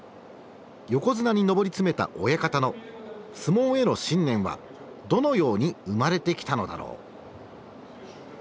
横綱に上り詰めた親方の相撲への信念はどのように生まれてきたのだろう？